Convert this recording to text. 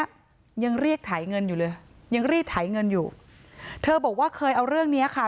ยังเรียกถ่ายเงินอยู่เลยยังรีดไถเงินอยู่เธอบอกว่าเคยเอาเรื่องเนี้ยค่ะ